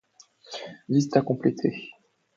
Liste à compléter.